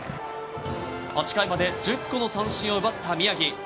８回まで１０個の三振を奪った宮城。